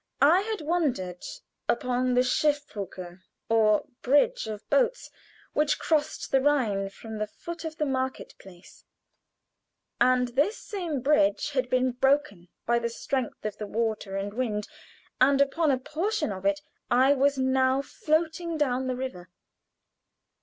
I had wandered upon the Schiffbrucke, or bridge of boats which crossed the Rhine from the foot of the market place, and this same bridge had been broken by the strength of the water and wind, and upon a portion of it I was now floating down the river.